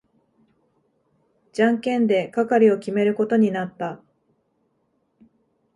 じゃんけんで係を決めることになった。